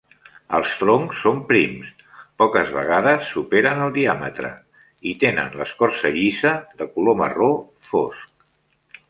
Els troncs són prims, poques vegades superen el diàmetre, i tenen l'escorça llisa de color marró fosc.